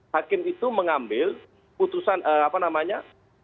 hakim itu mengambil putusan apa namanya